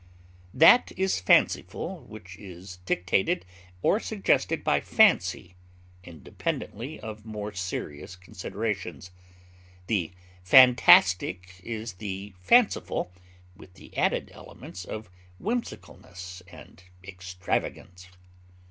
That is fanciful which is dictated or suggested by fancy independently of more serious considerations; the fantastic is the fanciful with the added elements of whimsicalness and extravagance.